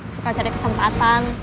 suka cari kesempatan